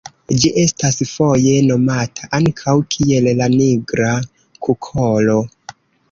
Ĝi estas foje nomata ankaŭ kiel la nigra kukolo.